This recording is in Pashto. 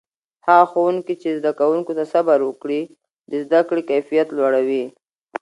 هغه ښوونکي چې زده کوونکو ته صبر وکړي، د زده کړې کیفیت لوړوي.